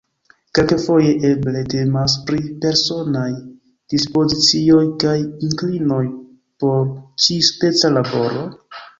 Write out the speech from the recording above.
Kelkfoje eble temas pri personaj dispozicioj kaj inklinoj por ĉi-speca laboro?